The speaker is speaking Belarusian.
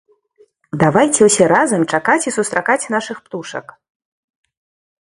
Давайце ўсе разам чакаць і сустракаць нашых птушак!